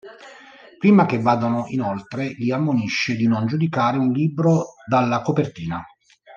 Prima che vadano inoltre li ammonisce di non giudicare un libro dalla copertina.